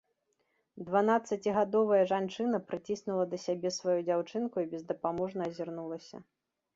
Дванаццацігадовая жанчына прыціснула да сябе сваю дзяўчынку і бездапаможна азірнулася.